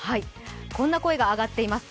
こんな声が上がっています。